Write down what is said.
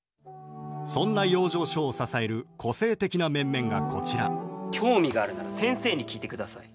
そんな養生所を支える個性的な面々がこちら興味があるなら先生に聞いてください。